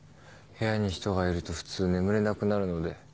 部屋に人がいると普通眠れなくなるので。